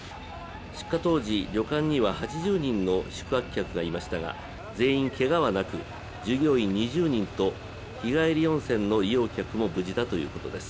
出火当時、旅館には８０人の宿泊客がいましたが全員けがはなく、従業員２０人と日帰り温泉の利用客も無事だということです。